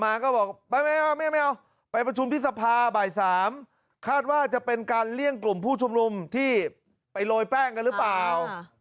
อ่ามันจะเป็นการเลี่ยงกลุ่มผู้ชมรุมที่ไปโรยแป้งกันหรือเปล่าอ่า